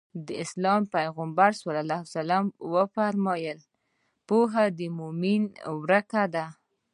د اسلام پيغمبر ص وفرمايل پوهه د مؤمن ورکه ده.